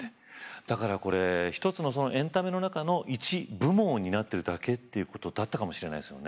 だからこれ一つのエンタメの中の１部門を担ってるだけっていうことだったかもしれないですね。